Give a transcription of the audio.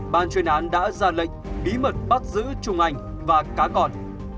ban chuyên án đã ra lệnh bí mật bắt giữ trung anh và cá còn